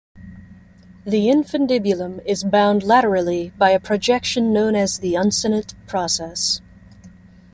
The infundibulum is bound laterally by a projection known as the uncinate process.